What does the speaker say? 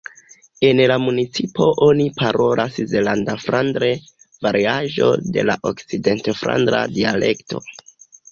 En la municipo oni parolas zelanda-flandre, variaĵo de la okcident-flandra dialekto.